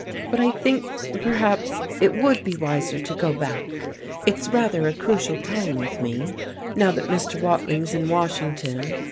But I think, perhaps, it would be wiser to go back. It's rather a crucial time with me, now that Mr. Watling's in Washington.